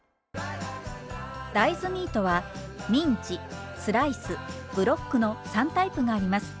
大豆ミートはミンチスライスブロックの３タイプがあります。